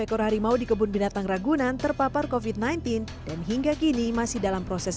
ekor harimau di kebun binatang ragunan terpapar kofit sembilan belas dan hingga kini masih dalam proses